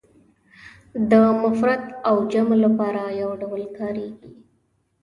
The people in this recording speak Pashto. د مفرد او جمع لپاره یو ډول کاریږي.